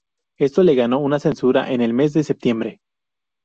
Esto le ganó una censura en el mes de septiembre.